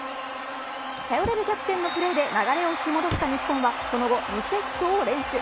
頼れるキャプテンのプレーで流れを引き戻した日本はその後、２セットを連取。